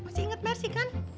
masih inget mercy kan